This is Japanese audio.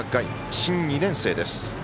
新２年生です。